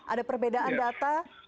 ada perbedaan data